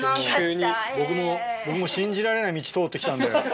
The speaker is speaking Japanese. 僕も信じられない道通ってきたんで。